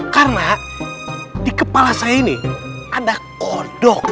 karena di kepala saya ini ada kodok